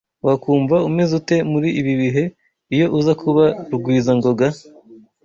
Wakumva umeze ute muri ibi bihe iyo uza kuba Rugwizangoga?